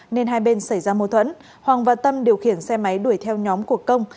nên hai bên xảy ra mâu thuẫn hoàng và tâm điều khiển xe máy đuổi theo nhóm của công